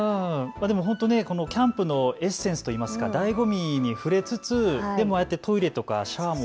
本当にキャンプのエッセンスといいますかだいご味に触れつつでもああやってトイレとかシャワーも。